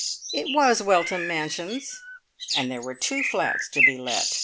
It was Weltham Mansions, and there were two flats to be let.